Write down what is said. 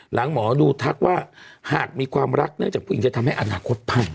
หมอดูทักว่าหากมีความรักเนื่องจากผู้หญิงจะทำให้อนาคตพัง